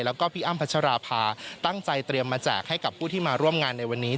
แล้วก็พี่อ้ำพัชราภาตั้งใจเตรียมมาแจกให้กับผู้ที่มาร่วมงานในวันนี้